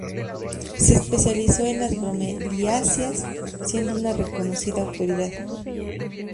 Se especializó en las bromeliáceas, siendo una reconocida autoridad.